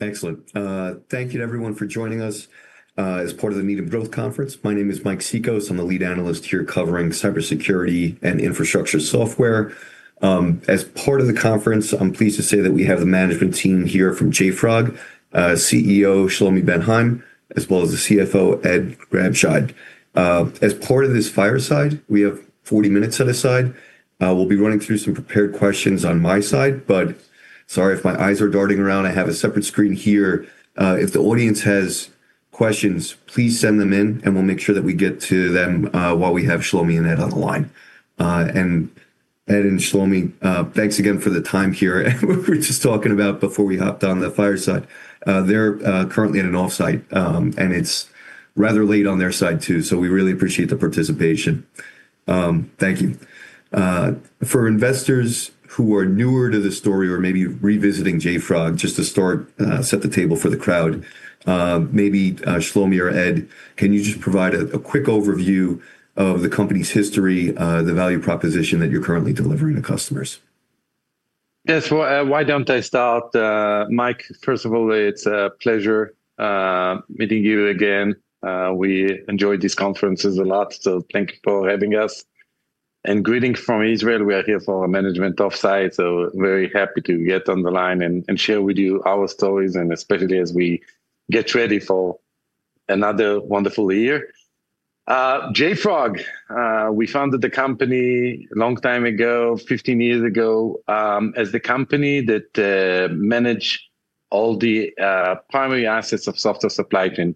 Excellent. Thank you to everyone for joining us, as part of the Needham Growth Conference. My name is Mike Cikos. I'm the Lead Analyst here covering cybersecurity and infrastructure software. As part of the conference, I'm pleased to say that we have the management team here from JFrog, CEO Shlomi Ben Haim, as well as the CFO Ed Grabscheid. As part of this fireside, we have 40 minutes set aside. We'll be running through some prepared questions on my side, but sorry if my eyes are darting around. I have a separate screen here. If the audience has questions, please send them in, and we'll make sure that we get to them, while we have Shlomi and Ed on the line. And Ed and Shlomi, thanks again for the time here. We were just talking about before we hopped on the fireside. They're currently at an offsite, and it's rather late on their side too, so we really appreciate the participation. Thank you. For investors who are newer to the story or maybe revisiting JFrog, just to start, set the table for the crowd, maybe, Shlomi or Ed, can you just provide a quick overview of the company's history, the value proposition that you're currently delivering to customers? Yes. Well, why don't I start? Mike, first of all, it's a pleasure meeting you again. We enjoy these conferences a lot, so thank you for having us. And greetings from Israel. We are here for a management offsite, so very happy to get on the line and share with you our stories, and especially as we get ready for another wonderful year. JFrog, we founded the company a long time ago, 15 years ago, as the company that managed all the primary assets of software supply chain.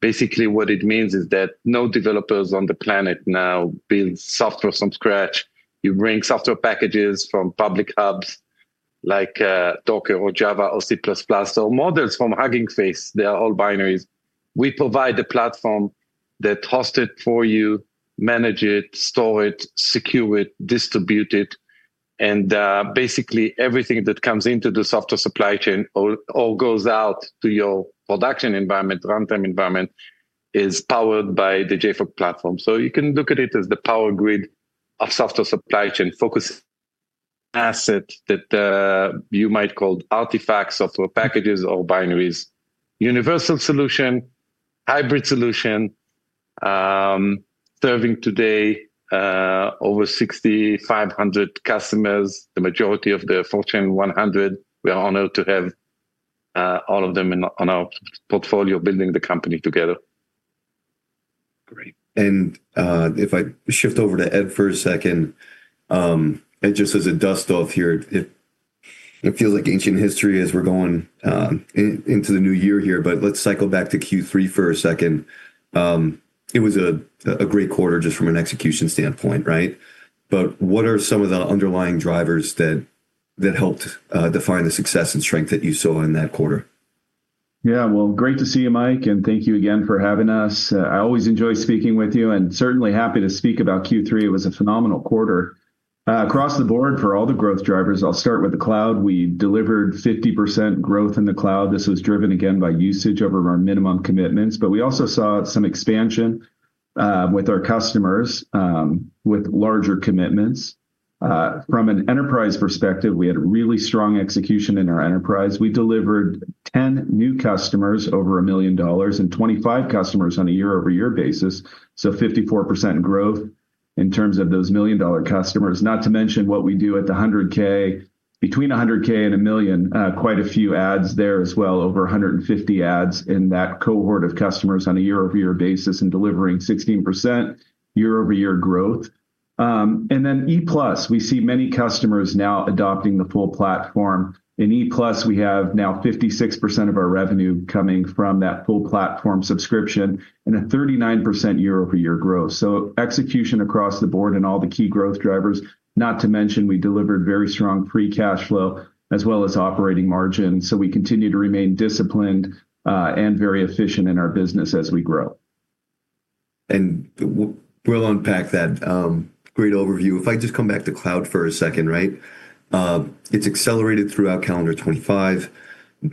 Basically, what it means is that no developers on the planet now build software from scratch. You bring software packages from public hubs like Docker or Java or C++, or models from Hugging Face. They are all binaries. We provide the platform that hosts it for you, manages it, stores it, secures it, distributes it, and basically everything that comes into the software supply chain or goes out to your production environment, runtime environment, is powered by the JFrog Platform. So you can look at it as the power grid of software supply chain, focusing assets that you might call artifacts, software packages, or binaries. Universal solution, hybrid solution, serving today over 6,500 customers, the majority of the Fortune 100. We are honored to have all of them in our portfolio building the company together. Great. And if I shift over to Ed for a second, and just as a dust off here, it feels like ancient history as we're going into the new year here, but let's cycle back to Q3 for a second. It was a great quarter just from an execution standpoint, right? But what are some of the underlying drivers that helped define the success and strength that you saw in that quarter? Yeah, well, great to see you, Mike, and thank you again for having us. I always enjoy speaking with you and certainly happy to speak about Q3. It was a phenomenal quarter across the board for all the growth drivers. I'll start with the cloud. We delivered 50% growth in the cloud. This was driven again by usage over our minimum commitments, but we also saw some expansion with our customers with larger commitments. From an enterprise perspective, we had really strong execution in our enterprise. We delivered 10 new customers over $1 million and 25 customers on a year-over-year basis, so 54% growth in terms of those $1 million-dollar customers. Not to mention what we do at the $100,000, between $100,000 and $1 million, quite a few adds there as well, over 150 adds in that cohort of customers on a year-over-year basis and delivering 16% year-over-year growth. And then E+, we see many customers now adopting the full platform. In E+, we have now 56% of our revenue coming from that full platform subscription and a 39% year-over-year growth. So execution across the board and all the key growth drivers. Not to mention we delivered very strong free cash flow as well as operating margin. So we continue to remain disciplined, and very efficient in our business as we grow. We'll unpack that, great overview. If I just come back to cloud for a second, right? It's accelerated throughout calendar 2025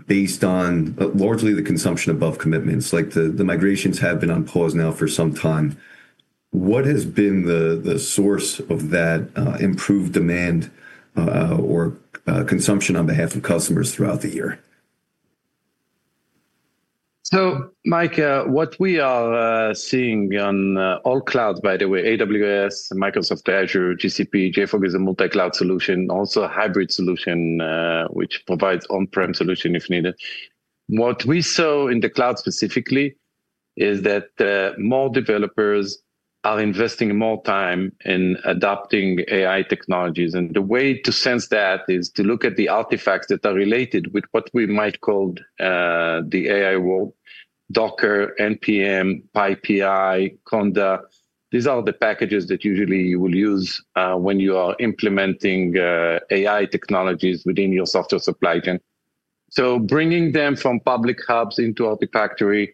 based on, largely the consumption above commitments. Like the, the migrations have been on pause now for some time. What has been the, the source of that, improved demand, or, consumption on behalf of customers throughout the year? So, Mike, what we are seeing on all cloud, by the way, AWS, Microsoft Azure, GCP. JFrog is a multi-cloud solution, also a hybrid solution, which provides on-prem solution if needed. What we saw in the cloud specifically is that more developers are investing more time in adopting AI technologies. And the way to sense that is to look at the artifacts that are related with what we might call the AI world: Docker, npm, PyPI, Conda. These are the packages that usually you will use when you are implementing AI technologies within your software supply chain. So bringing them from public hubs into Artifactory,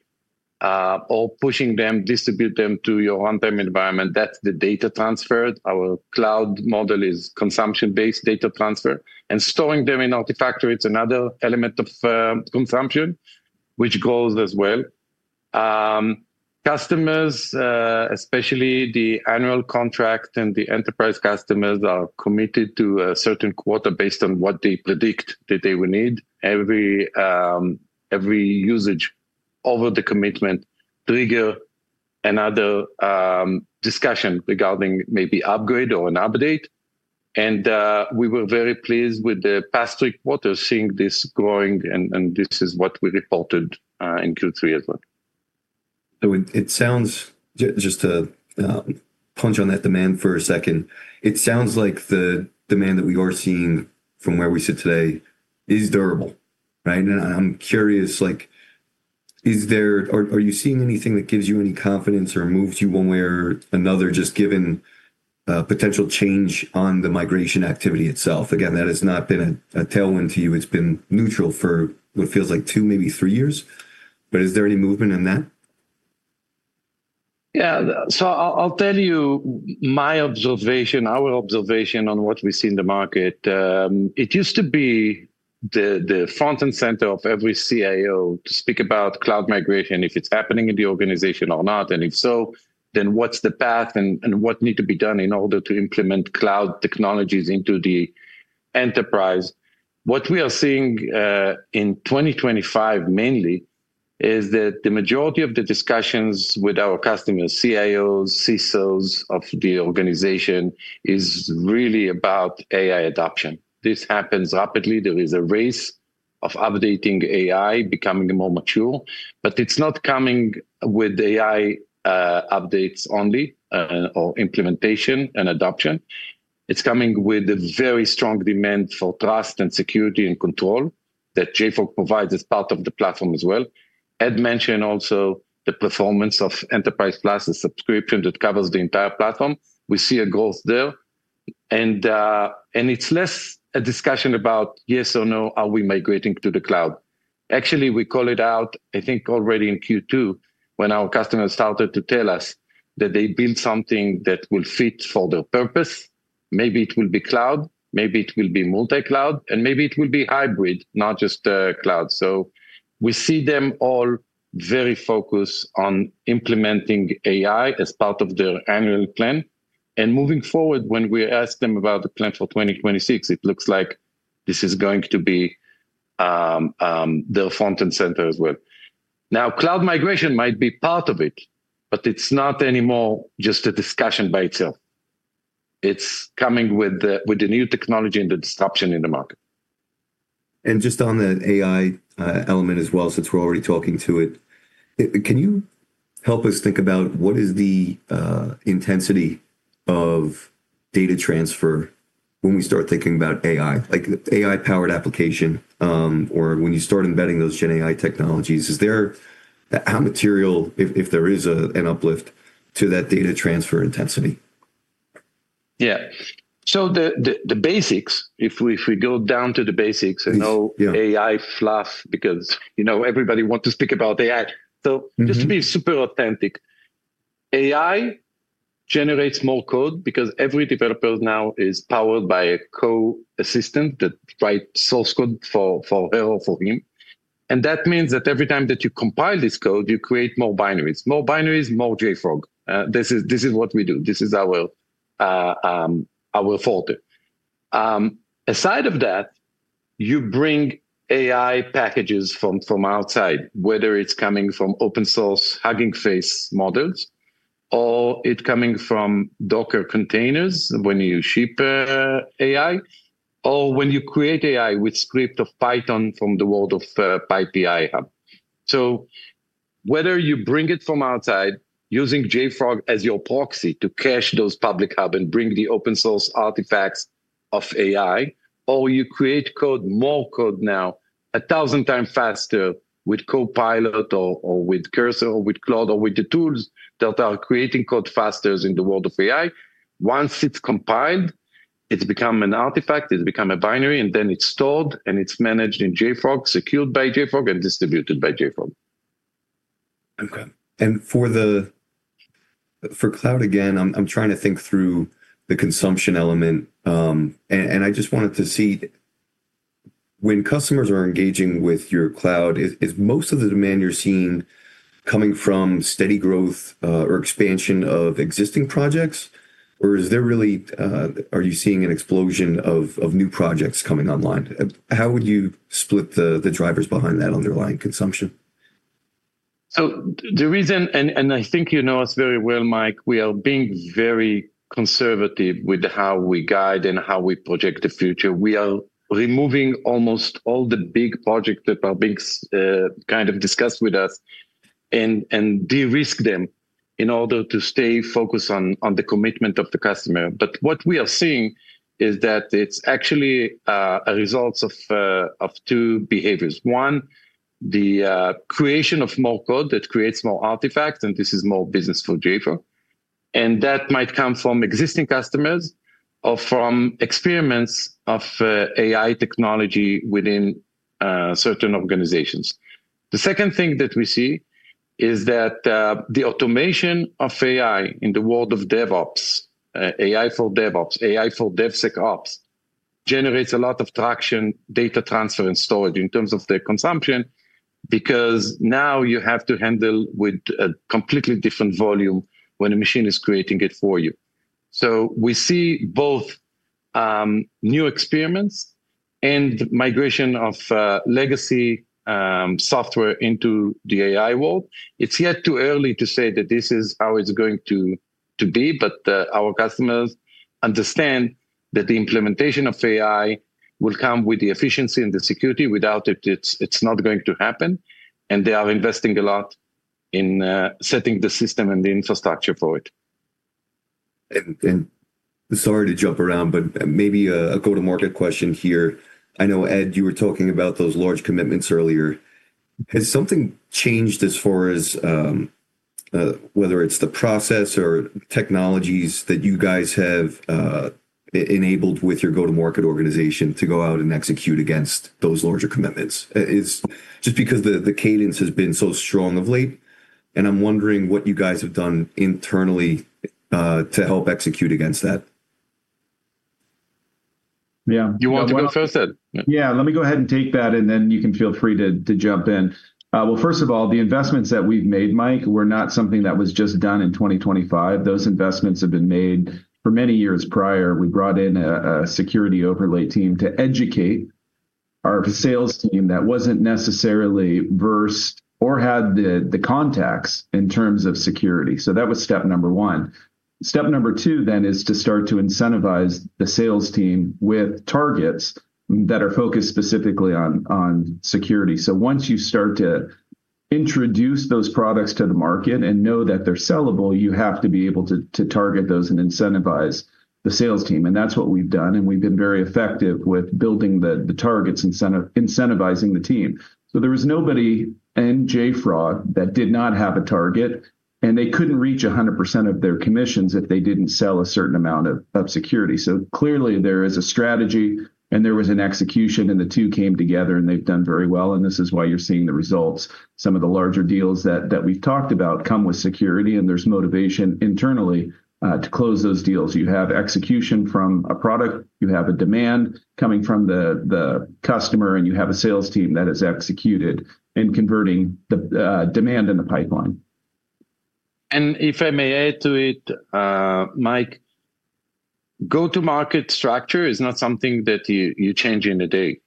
or pushing them, distribute them to your on-prem environment, that's the data transfer. Our cloud model is consumption-based data transfer. And storing them in Artifactory is another element of consumption, which grows as well. Customers, especially the annual contract and the enterprise customers, are committed to a certain quota based on what they predict that they will need. Every usage over the commitment triggers another discussion regarding maybe upgrade or an update. We were very pleased with the past three quarters seeing this growing, and this is what we reported in Q3 as well. So it sounds, just to punch on that demand for a second, it sounds like the demand that we are seeing from where we sit today is durable, right? And I'm curious, like, is there, are you seeing anything that gives you any confidence or moves you one way or another, just given potential change on the migration activity itself? Again, that has not been a tailwind to you. It's been neutral for what feels like two, maybe three years. But is there any movement in that? Yeah. So I'll tell you my observation, our observation on what we see in the market. It used to be the front and center of every CIO to speak about cloud migration, if it's happening in the organization or not. And if so, then what's the path and what needs to be done in order to implement cloud technologies into the enterprise. What we are seeing, in 2025 mainly is that the majority of the discussions with our customers, CIOs, CISOs of the organization, is really about AI adoption. This happens rapidly. There is a race of updating AI, becoming more mature, but it's not coming with AI, updates only, or implementation and adoption. It's coming with a very strong demand for trust and security and control that JFrog provides as part of the platform as well. Ed mentioned also the performance of Enterprise Plus, a subscription that covers the entire platform. We see a growth there, and it's less a discussion about yes or no, are we migrating to the cloud. Actually, we call it out, I think already in Q2 when our customers started to tell us that they build something that will fit for their purpose. Maybe it will be cloud, maybe it will be multi-cloud, and maybe it will be hybrid, not just cloud. We see them all very focused on implementing AI as part of their annual plan. Moving forward, when we ask them about the plan for 2026, it looks like this is going to be their front and center as well. Now, cloud migration might be part of it, but it's not anymore just a discussion by itself. It's coming with the new technology and the disruption in the market. Just on the AI element as well, since we're already talking to it, can you help us think about what is the intensity of data transfer when we start thinking about AI, like AI-powered application, or when you start embedding those GenAI technologies? Is it material if there is an uplift to that data transfer intensity? Yeah. So the basics, if we go down to the basics, I know AI fluff because, you know, everybody wants to speak about AI. So just to be super authentic, AI generates more code because every developer now is powered by a co-assistant that writes source code for her or for him. And that means that every time that you compile this code, you create more binaries. More binaries, more JFrog. This is what we do. This is our forte. Aside from that, you bring AI packages from outside, whether it's coming from open source Hugging Face models or it's coming from Docker containers when you ship AI or when you create AI with script of Python from the world of PyPI hub. Whether you bring it from outside using JFrog as your proxy to cache those public hub and bring the open source artifacts of AI, or you create code, more code now, a thousand times faster with Copilot or with Cursor or with Claude or with the tools that are creating code faster in the world of AI. Once it's compiled, it's become an artifact, it's become a binary, and then it's stored and it's managed in JFrog, secured by JFrog and distributed by JFrog. Okay. And for the cloud again, I'm trying to think through the consumption element. And I just wanted to see when customers are engaging with your cloud, is most of the demand you're seeing coming from steady growth, or expansion of existing projects, or is there really? Are you seeing an explosion of new projects coming online? How would you split the drivers behind that underlying consumption? So the reason, and I think you know us very well, Mike, we are being very conservative with how we guide and how we project the future. We are removing almost all the big projects that are being kind of discussed with us and de-risk them in order to stay focused on the commitment of the customer. But what we are seeing is that it's actually a result of two behaviors. One, the creation of more code that creates more artifacts, and this is more business for JFrog. And that might come from existing customers or from experiments of AI technology within certain organizations. The second thing that we see is that the automation of AI in the world of DevOps, AI for DevOps, AI for DevSecOps generates a lot of traction, data transfer and storage in terms of their consumption because now you have to handle with a completely different volume when a machine is creating it for you. So we see both new experiments and migration of legacy software into the AI world. It's yet too early to say that this is how it's going to be, but our customers understand that the implementation of AI will come with the efficiency and the security. Without it, it's not going to happen, and they are investing a lot in setting the system and the infrastructure for it. Sorry to jump around, but maybe a go-to-market question here. I know Ed, you were talking about those large commitments earlier. Has something changed as far as whether it's the process or technologies that you guys have enabled with your go-to-market organization to go out and execute against those larger commitments? Is just because the cadence has been so strong of late, and I'm wondering what you guys have done internally to help execute against that. Yeah. You want to go first, Ed? Yeah, let me go ahead and take that, and then you can feel free to jump in. Well, first of all, the investments that we've made, Mike, were not something that was just done in 2025. Those investments have been made for many years prior. We brought in a security overlay team to educate our sales team that wasn't necessarily versed or had the contacts in terms of security. So that was step number one. Step number two then is to start to incentivize the sales team with targets that are focused specifically on security. So once you start to introduce those products to the market and know that they're sellable, you have to be able to target those and incentivize the sales team. And that's what we've done. And we've been very effective with building the targets and incentivizing the team. So there was nobody in JFrog that did not have a target, and they couldn't reach 100% of their commissions if they didn't sell a certain amount of security. So clearly there is a strategy and there was an execution, and the two came together and they've done very well. And this is why you're seeing the results. Some of the larger deals that we've talked about come with security, and there's motivation internally to close those deals. You have execution from a product, you have a demand coming from the customer, and you have a sales team that has executed and converting the demand in the pipeline. And if I may add to it, Mike, go-to-market structure is not something that you, you change in a day.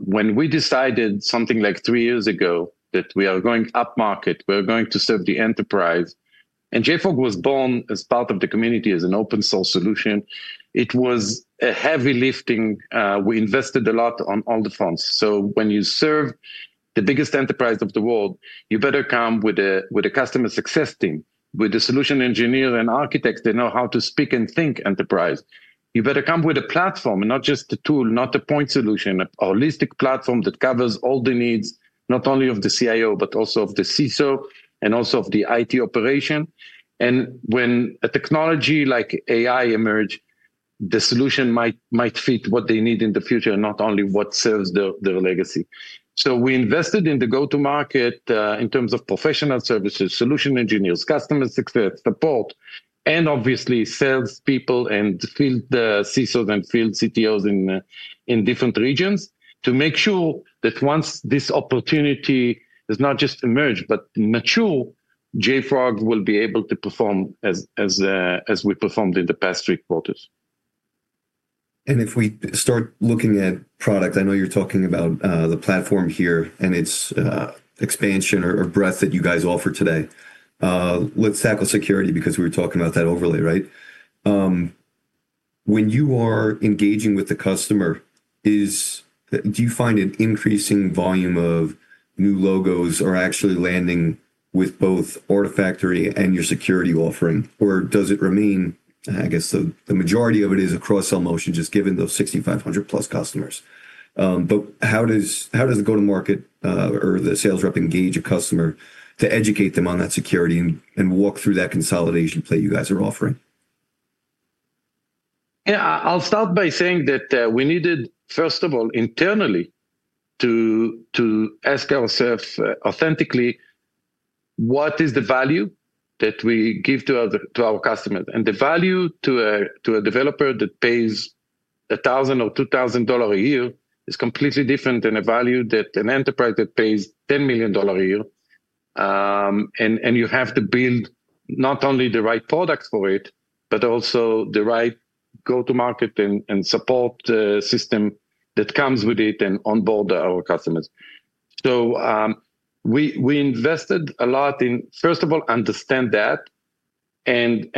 When we decided something like three years ago that we are going up market, we're going to serve the enterprise. And JFrog was born as part of the community as an open source solution. It was a heavy lifting. We invested a lot on all the fronts. So when you serve the biggest enterprise of the world, you better come with a, with a customer success team, with a solution engineer and architects that know how to speak and think enterprise. You better come with a platform and not just a tool, not a point solution, a holistic platform that covers all the needs, not only of the CIO, but also of the CISO and also of the IT operation. And when a technology like AI emerged, the solution might fit what they need in the future and not only what serves their legacy. So we invested in the go-to-market, in terms of professional services, solution engineers, customer success, support, and obviously salespeople and field CISOs and field CTOs in different regions to make sure that once this opportunity has not just emerged, but mature, JFrog will be able to perform as we performed in the past three quarters. If we start looking at product, I know you're talking about the platform here and its expansion or breadth that you guys offer today. Let's tackle security because we were talking about that overlay, right? When you are engaging with the customer, do you find an increasing volume of new logos or actually landing with both Artifactory and your security offering, or does it remain? I guess the majority of it is across all motion just given those 6,500+ customers. But how does the go-to-market or the sales rep engage a customer to educate them on that security and walk through that consolidation play you guys are offering? Yeah, I'll start by saying that we needed, first of all, internally to ask ourselves authentically, what is the value that we give to our customers? And the value to a developer that pays a $1,000 or $2,000 a year is completely different than a value that an enterprise that pays $10 million a year. You have to build not only the right product for it, but also the right go-to-market and support system that comes with it and onboard our customers. So, we invested a lot in, first of all, understand that and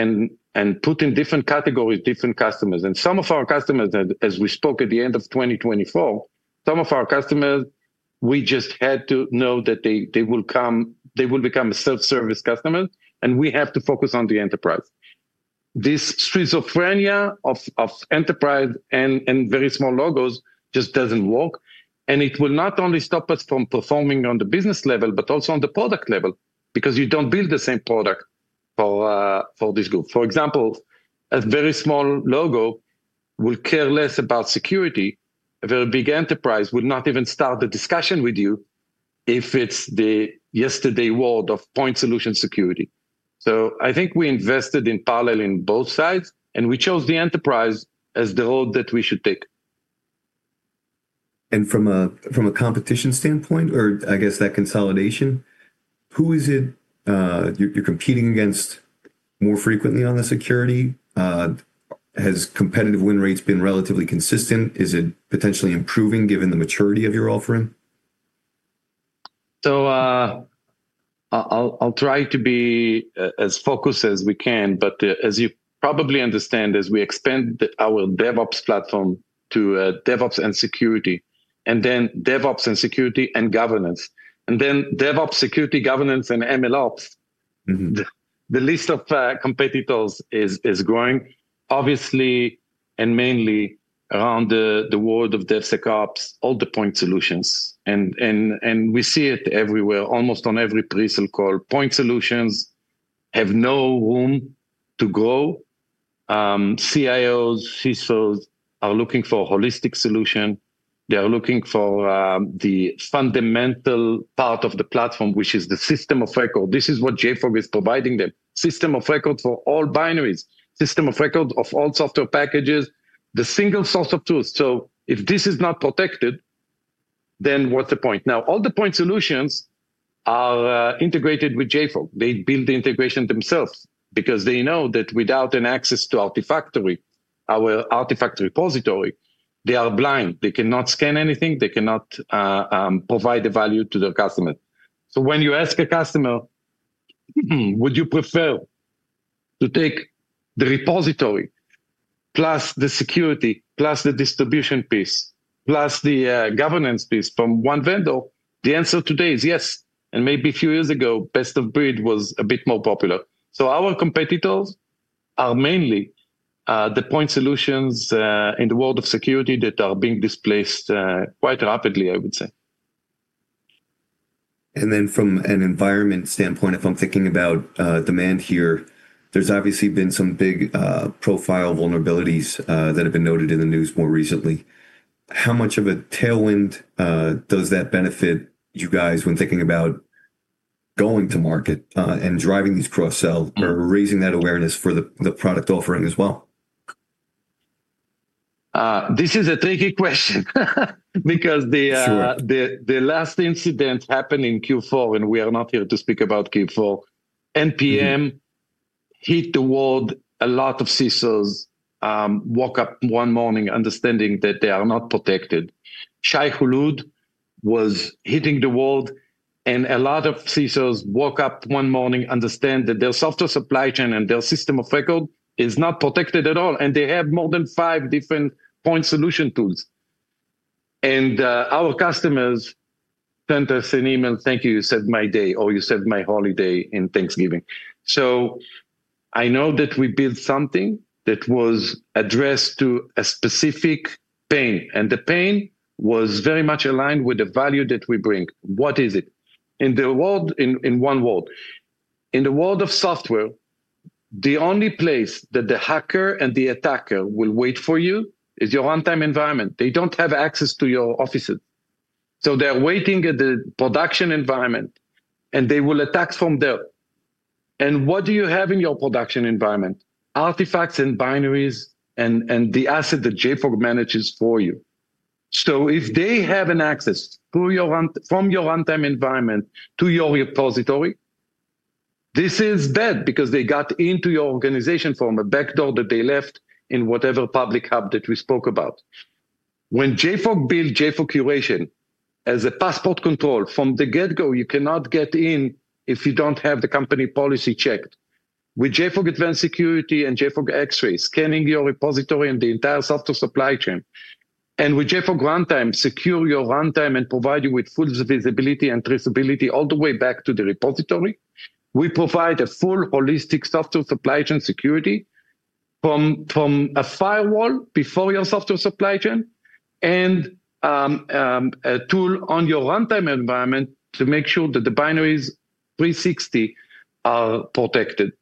put in different categories different customers. Some of our customers, as we spoke at the end of 2024, some of our customers, we just had to know that they, they will come, they will become self-service customers, and we have to focus on the enterprise. This schizophrenia of enterprise and very small logos just doesn't work. It will not only stop us from performing on the business level, but also on the product level because you don't build the same product for this group. For example, a very small logo will care less about security. A very big enterprise would not even start the discussion with you if it's the yesterday world of point solution security. I think we invested in parallel in both sides, and we chose the enterprise as the road that we should take. From a competition standpoint, or I guess that consolidation, who is it you're competing against more frequently on the security? Has competitive win rates been relatively consistent? Is it potentially improving given the maturity of your offering? I'll try to be as focused as we can, but as you probably understand, as we expand our DevOps platform to DevOps and security, and then DevOps and security and governance, and then DevOps security, governance, and MLOps, the list of competitors is growing, obviously, and mainly around the world of DevSecOps, all the point solutions. We see it everywhere, almost on every presale call. Point solutions have no room to grow. CIOs, CISOs are looking for a holistic solution. They are looking for the fundamental part of the platform, which is the system of record. This is what JFrog is providing them: system of record for all binaries, system of record of all software packages, the single source of truth. So if this is not protected, then what's the point? Now, all the point solutions are integrated with JFrog. They build the integration themselves because they know that without an access to Artifactory, our Artifactory repository, they are blind. They cannot scan anything. They cannot provide the value to their customers. So when you ask a customer, would you prefer to take the repository plus the security, plus the distribution piece, plus the governance piece from one vendor? The answer today is yes, and maybe a few years ago, best of breed was a bit more popular. So our competitors are mainly the point solutions in the world of security that are being displaced quite rapidly, I would say. And then from an environment standpoint, if I'm thinking about demand here, there's obviously been some high-profile vulnerabilities that have been noted in the news more recently. How much of a tailwind does that benefit you guys when thinking about going to market, and driving these cross-sell or raising that awareness for the product offering as well? This is a tricky question because the last incident happened in Q4, and we are not here to speak about Q4. npm hit the world. A lot of CISOs woke up one morning understanding that they are not protected. Shai-Hulud was hitting the world, and a lot of CISOs woke up one morning understand that their software supply chain and their system of record is not protected at all, and they have more than five different point solution tools. Our customers sent us an email. Thank you. You saved my day or you saved my holiday in Thanksgiving, so I know that we built something that was addressed to a specific pain, and the pain was very much aligned with the value that we bring. What is it in the world in one word? In the world of software, the only place that the hacker and the attacker will wait for you is your runtime environment. They don't have access to your offices. So they're waiting at the production environment, and they will attack from there. And what do you have in your production environment? Artifacts and binaries and the asset that JFrog manages for you. So if they have an access from your runtime environment to your repository, this is bad because they got into your organization from a backdoor that they left in whatever public hub that we spoke about. When JFrog built JFrog Curation as a passport control from the get-go, you cannot get in if you don't have the company policy checked. With JFrog Advanced Security and JFrog Xray scanning your repository and the entire software supply chain, and with JFrog Runtime, secure your runtime and provide you with full visibility and traceability all the way back to the repository. We provide a full holistic software supply chain security from a firewall before your software supply chain and a tool on your runtime environment to make sure that the binaries 360° are protected.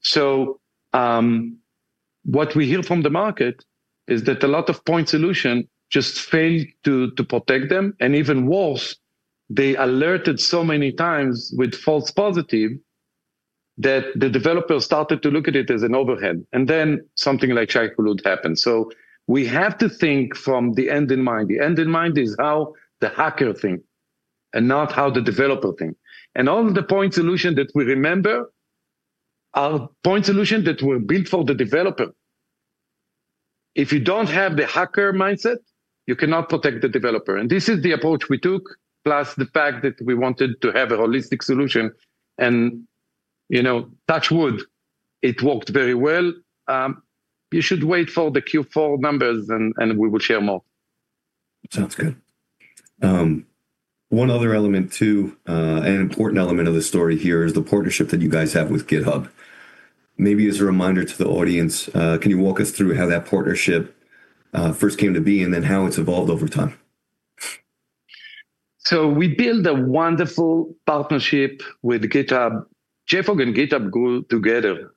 So, what we hear from the market is that a lot of point solution just failed to protect them. And even worse, they alerted so many times with false positive that the developer started to look at it as an overhead. And then something like Shai-Hulud happened. So we have to think with the end in mind. The end in mind is how the hacker thinks and not how the developer thinks. And all of the point solutions that we remember are point solutions that were built for the developer. If you don't have the hacker mindset, you cannot protect the developer. And this is the approach we took, plus the fact that we wanted to have a holistic solution. And, you know, touch wood, it worked very well. You should wait for the Q4 numbers, and we will share more. Sounds good. One other element too, an important element of the story here is the partnership that you guys have with GitHub. Maybe as a reminder to the audience, can you walk us through how that partnership first came to be and then how it's evolved over time? So we built a wonderful partnership with GitHub, JFrog and GitHub grew together,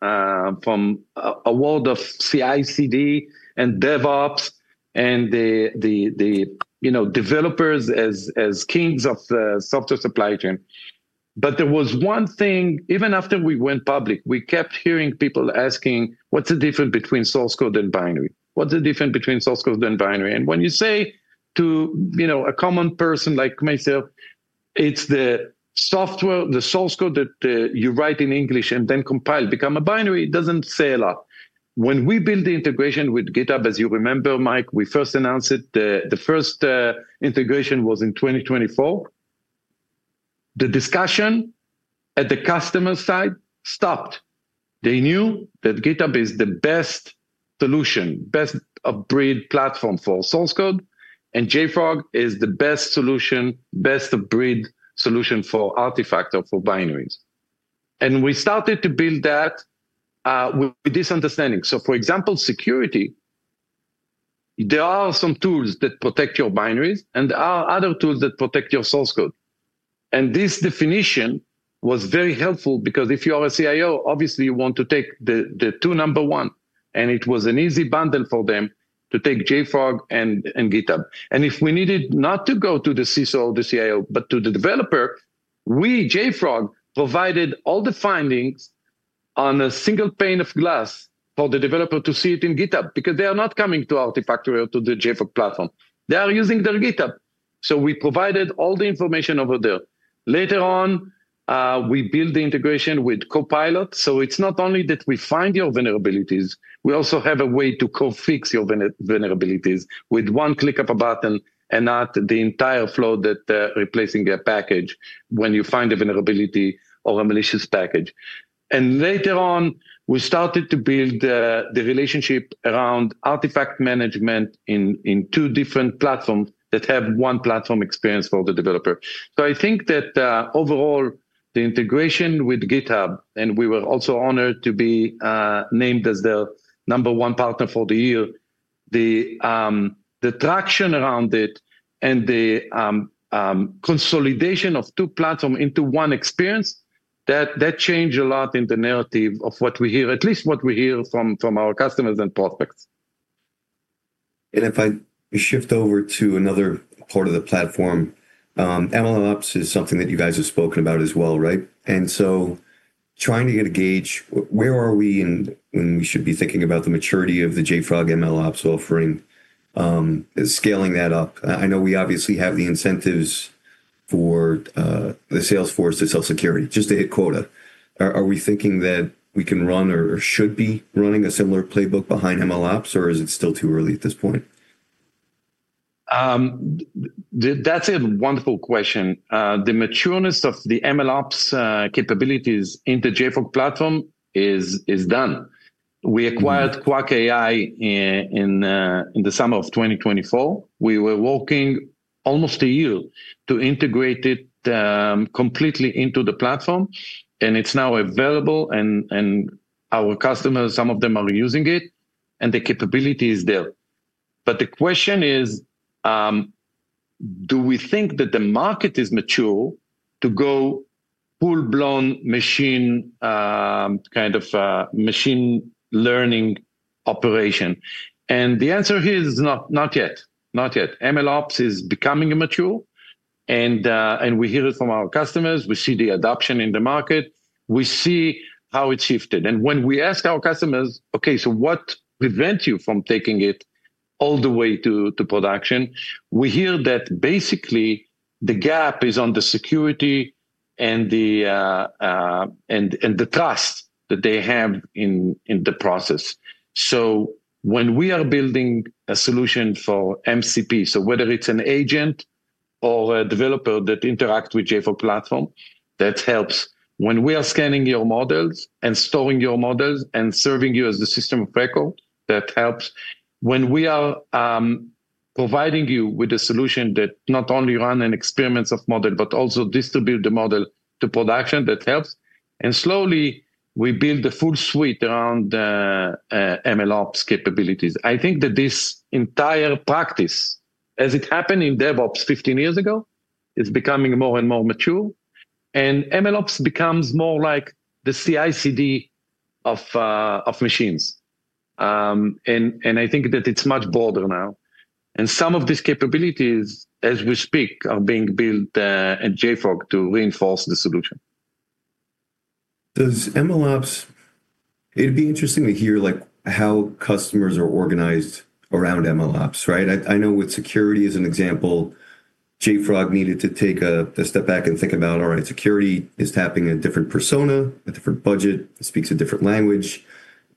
from a world of CI/CD and DevOps and the you know, developers as kings of the software supply chain. But there was one thing, even after we went public, we kept hearing people asking, what's the difference between source code and binary? What's the difference between source code and binary? And when you say to, you know, a common person like myself, it's the software, the source code that you write in English and then compile, become a binary, it doesn't say a lot. When we built the integration with GitHub, as you remember, Mike, we first announced it, the first integration was in 2024. The discussion at the customer side stopped. They knew that GitHub is the best solution, best of breed platform for source code, and JFrog is the best solution, best of breed solution for artifact or for binaries, and we started to build that with this understanding, so for example, security, there are some tools that protect your binaries and there are other tools that protect your source code, and this definition was very helpful because if you are a CIO, obviously you want to take the two number one, and it was an easy bundle for them to take JFrog and GitHub, and if we needed not to go to the CISO or the CIO, but to the developer, we, JFrog, provided all the findings on a single pane of glass for the developer to see it in GitHub because they are not coming to Artifactory or to the JFrog platform. They are using their GitHub. So we provided all the information over there. Later on, we built the integration with Copilot. So it's not only that we find your vulnerabilities, we also have a way to code fix your vulnerabilities with one click of a button and not the entire flow that replacing a package when you find a vulnerability or a malicious package. And later on, we started to build the relationship around artifact management in two different platforms that have one platform experience for the developer. So I think that, overall, the integration with GitHub, and we were also honored to be named as the number one partner for the year, the traction around it and the consolidation of two platforms into one experience that changed a lot in the narrative of what we hear from our customers and prospects. If I shift over to another part of the platform, MLOps is something that you guys have spoken about as well, right? And so trying to get a gauge, where are we and when we should be thinking about the maturity of the JFrog MLOps offering, scaling that up? I know we obviously have the incentives for the sales force to self-service security, just to hit quota. Are we thinking that we can run or should be running a similar playbook behind MLOps, or is it still too early at this point? That's a wonderful question. The maturity of the MLOps capabilities in the JFrog Platform is done. We acquired Qwak AI in the summer of 2024. We were working almost a year to integrate it completely into the platform, and it's now available, and our customers, some of them are using it, and the capability is there. But the question is, do we think that the market is mature to go full-blown machine, kind of, machine learning operation? And the answer here is not yet, not yet. MLOps is becoming mature, and we hear it from our customers. We see the adoption in the market. We see how it shifted. When we ask our customers, "Okay, so what prevents you from taking it all the way to production?" we hear that basically the gap is on the security and the trust that they have in the process. When we are building a solution for MCP, whether it's an agent or a developer that interacts with JFrog Platform, that helps. When we are scanning your models and storing your models and serving you as the system of record, that helps. When we are providing you with a solution that not only runs experiments on models, but also distributes the model to production, that helps. Slowly we build the full suite around MLOps capabilities. I think that this entire practice, as it happened in DevOps 15 years ago, is becoming more and more mature, and MLOps becomes more like the CI/CD of machines. I think that it's much broader now. Some of these capabilities, as we speak, are being built at JFrog to reinforce the solution. Does MLOps, it'd be interesting to hear like how customers are organized around MLOps, right? I know with security as an example, JFrog needed to take a step back and think about, all right, security is tapping a different persona, a different budget. It speaks a different language,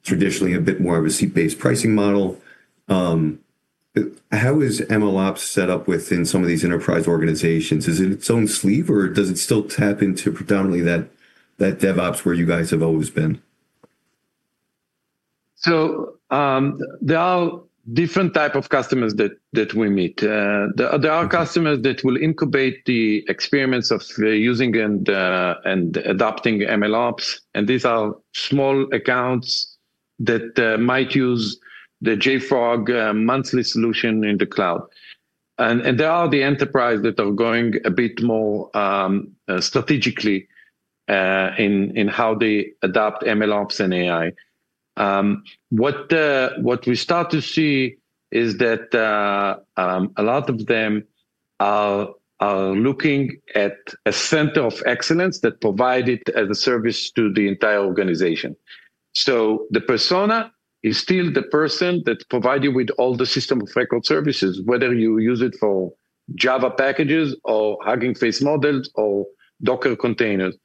traditionally a bit more of a seat-based pricing model. How is MLOps set up within some of these enterprise organizations? Is it its own sleeve or does it still tap into predominantly that DevOps where you guys have always been? So, there are different types of customers that we meet. There are customers that will incubate the experience of using and adopting MLOps, and these are small accounts that might use the JFrog monthly solution in the cloud. And there are the enterprises that are going a bit more strategically in how they adopt MLOps and AI. What we start to see is that a lot of them are looking at a center of excellence that provided as a service to the entire organization. So the persona is still the person that provides you with all the system of record services, whether you use it for Java packages or Hugging Face models or Docker containers.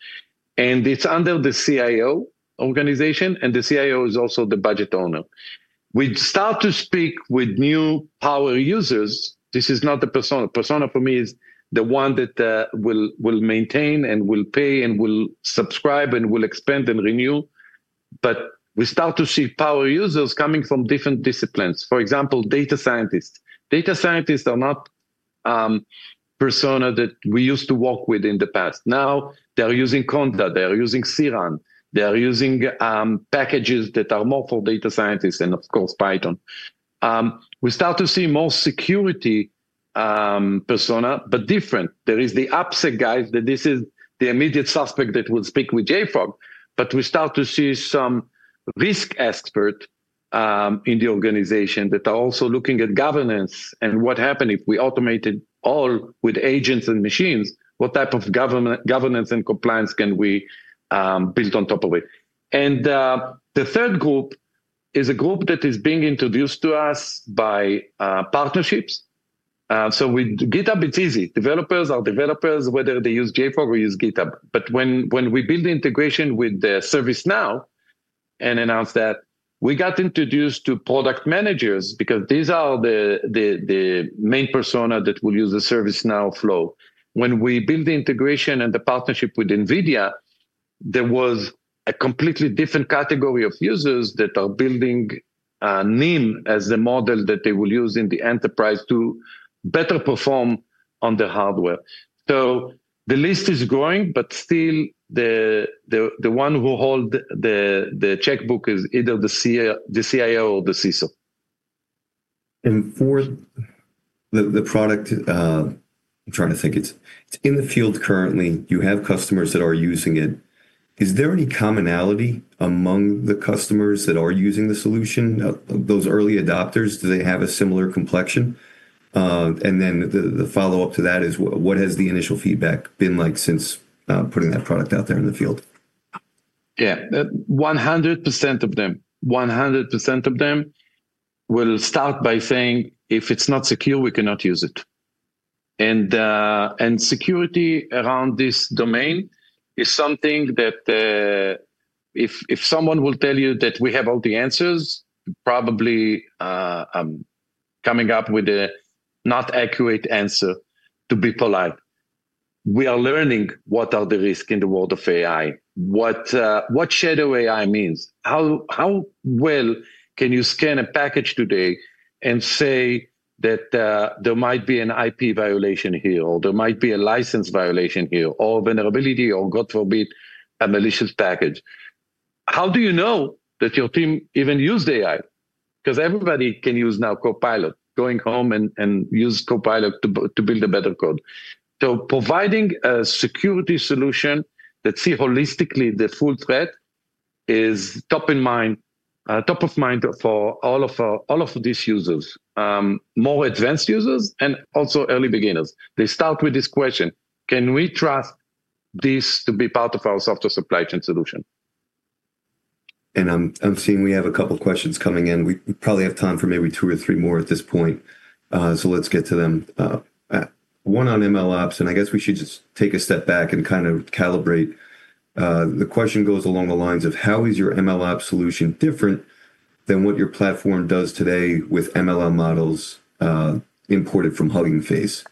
And it's under the CIO organization, and the CIO is also the budget owner. We start to speak with new power users. This is not the persona. Persona for me is the one that will maintain and will pay and will subscribe and will expand and renew. But we start to see power users coming from different disciplines. For example, data scientists. Data scientists are not personas that we used to work with in the past. Now they're using Conda, they're using CRAN, they're using packages that are more for data scientists and of course Python. We start to see more security persona, but different. There is the AppSec guy that this is the immediate suspect that will speak with JFrog, but we start to see some risk experts in the organization that are also looking at governance and what happened if we automated all with agents and machines, what type of governance and compliance can we build on top of it. The third group is a group that is being introduced to us by partnerships. So with GitHub, it's easy. Developers are developers, whether they use JFrog or use GitHub. But when we build the integration with the ServiceNow and announce that we got introduced to product managers because these are the main personas that will use the ServiceNow flow. When we built the integration and the partnership with NVIDIA, there was a completely different category of users that are building NIM as the model that they will use in the enterprise to better perform on the hardware. So the list is growing, but still the one who holds the checkbook is either the CIO or the CISO. For the product, I'm trying to think. It's in the field currently. You have customers that are using it. Is there any commonality among the customers that are using the solution, those early adopters? Do they have a similar complexion? Then the follow-up to that is, what has the initial feedback been like since putting that product out there in the field? Yeah, 100% of them, 100% of them will start by saying, if it's not secure, we cannot use it. And security around this domain is something that, if someone will tell you that we have all the answers, probably I'm coming up with a not accurate answer, to be polite. We are learning what the risks are in the world of AI, what shadow AI means, how well you can scan a package today and say that there might be an IP violation here or there might be a license violation here or a vulnerability or, God forbid, a malicious package. How do you know that your team even used AI? Because everybody can use now Copilot, going home and use Copilot to build a better code. Providing a security solution that sees holistically the full threat is top in mind, top of mind for all of our, all of these users, more advanced users and also early beginners. They start with this question: Can we trust this to be part of our software supply chain solution? And I'm seeing we have a couple of questions coming in. We probably have time for maybe two or three more at this point. So let's get to them. One on MLOps, and I guess we should just take a step back and kind of calibrate. The question goes along the lines of how is your MLOps solution different than what your platform does today with MLOps models, imported from Hugging Face?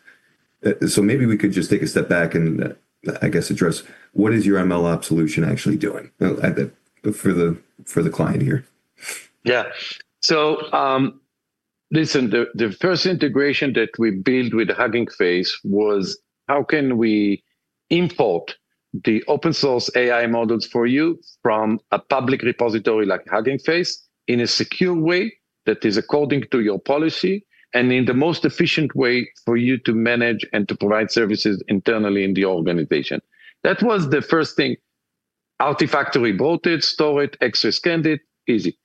So maybe we could just take a step back and I guess address what is your MLOps solution actually doing for the client here? Yeah. So, listen, the first integration that we built with Hugging Face was how can we import the open source AI models for you from a public repository like Hugging Face in a secure way that is according to your policy and in the most efficient way for you to manage and to provide services internally in the organization. That was the first thing. Artifactory brought it, stored it, Xray scanned it, easy.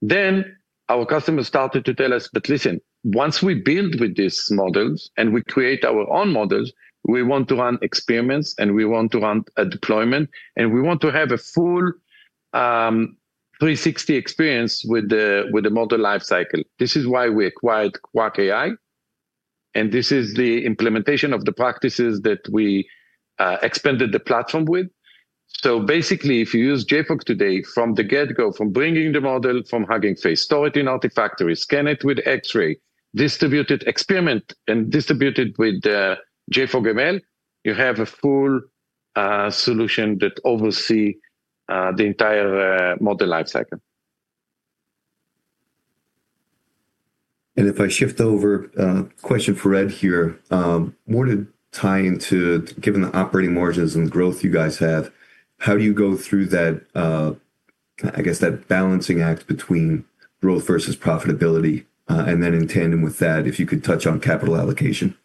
Then our customers started to tell us, but listen, once we build with these models and we create our own models, we want to run experiments and we want to run a deployment and we want to have a full, 360 experience with the model lifecycle. This is why we acquired Qwak AI and this is the implementation of the practices that we expanded the platform with. So basically, if you use JFrog today from the get-go, from bringing the model from Hugging Face, store it in Artifactory, scan it with Xray, distribute it, experiment and distribute it with JFrog ML, you have a full solution that oversee the entire model lifecycle. And if I shift over, question for Ed here, more to tie into given the operating margins and the growth you guys have, how do you go through that, I guess that balancing act between growth versus profitability, and then in tandem with that, if you could touch on capital allocation?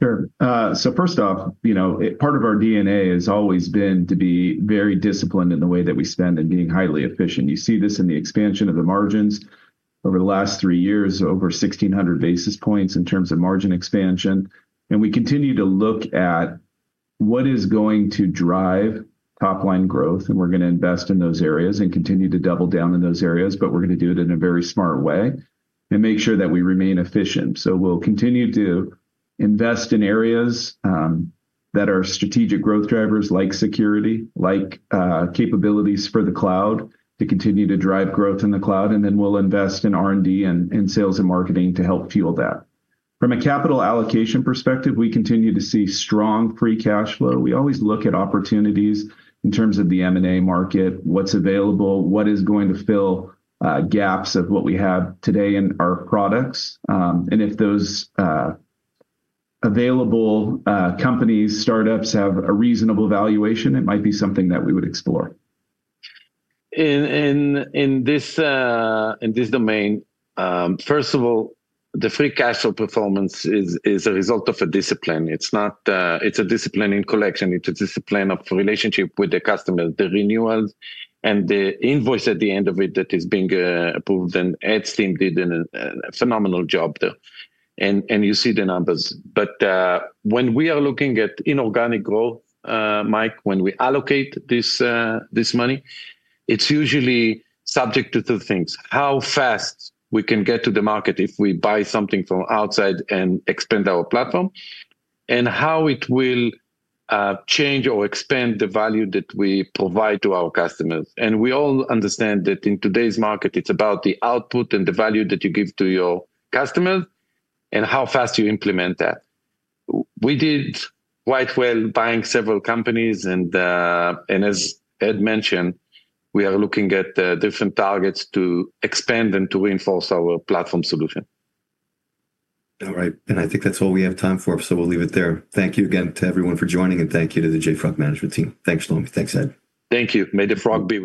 Sure. So first off, you know, part of our DNA has always been to be very disciplined in the way that we spend and being highly efficient. You see this in the expansion of the margins over the last three years, over 1,600 basis points in terms of margin expansion, and we continue to look at what is going to drive top line growth, and we're going to invest in those areas and continue to double down in those areas, but we're going to do it in a very smart way and make sure that we remain efficient, so we'll continue to invest in areas that are strategic growth drivers, like security, like capabilities for the cloud to continue to drive growth in the cloud, and then we'll invest in R&D and sales and marketing to help fuel that. From a capital allocation perspective, we continue to see strong free cash flow. We always look at opportunities in terms of the M&A market, what's available, what is going to fill gaps of what we have today in our products, and if those available companies, startups have a reasonable valuation, it might be something that we would explore. In this domain, first of all, the free cash flow performance is a result of a discipline. It's a discipline in collection. It's a discipline of relationship with the customer, the renewals and the invoice at the end of it that is being approved. And Ed's team did a phenomenal job there. And you see the numbers. But when we are looking at inorganic growth, Mike, when we allocate this money, it's usually subject to two things: how fast we can get to the market if we buy something from outside and expand our platform, and how it will change or expand the value that we provide to our customers. And we all understand that in today's market, it's about the output and the value that you give to your customers and how fast you implement that. We did quite well buying several companies and as Ed mentioned, we are looking at different targets to expand and to reinforce our platform solution. All right. And I think that's all we have time for, so we'll leave it there. Thank you again to everyone for joining and thank you to the JFrog management team. Thanks, Shlomi. Thanks, Ed. Thank you. May the frog be.